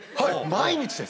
毎日です。